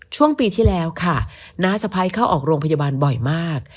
ช่วงปีที่แล้วค่ะน้าสะพ้ายเข้าออกโรงพยาบาลบ่อยมาก